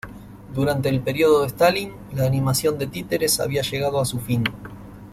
Durante el período de Stalin, la animación de títeres había llegado a su fin.